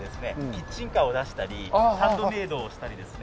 キッチンカーを出したりハンドメイドをしたりですね。